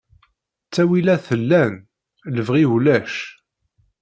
Ttawilat llan, lebɣi ulac.